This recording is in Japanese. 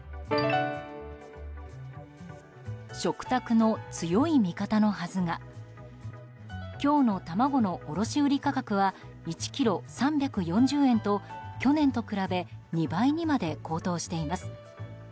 食卓の強い味方のはずが今日の卵の卸売価格は１ｋｇ３４０円と去年と比べ２倍にまで高騰しています。